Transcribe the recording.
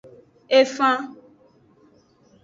Efen.